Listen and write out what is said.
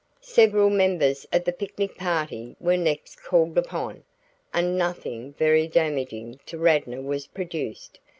Several members of the picnic party were next called upon, and nothing very damaging to Radnor was produced.